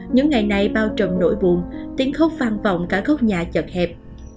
những ngày này bao trầm nỗi buồn tiếng khóc vang vọng cả khúc nhà chật hẹp